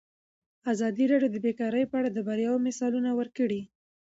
ازادي راډیو د بیکاري په اړه د بریاوو مثالونه ورکړي.